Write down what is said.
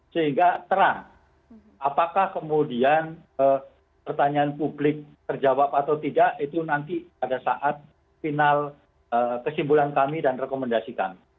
sehingga terang apakah kemudian pertanyaan publik terjawab atau tidak itu nanti pada saat final kesimpulan kami dan rekomendasikan